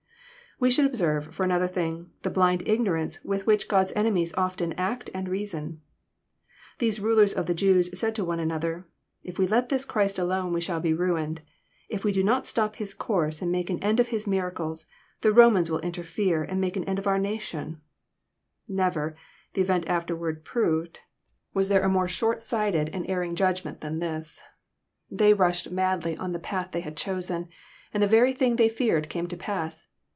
We should observe, for another thing, the blind ignO' ranee with which Ood^s enemies often act and reason. These rulers of the Jews said to one another, ''If we let this Christ alone we shall be ruined. If we do not stop His course, and make an end of His miracles, the Romans will interfere, and make an end of our nation/' Never, the event afterward proved, was there a more JOHNy CHAP. XI. 293 shoiiHBighted and erring judgment than this. They mshed madly on the path they had chosen, and the very thing they feared came to pass.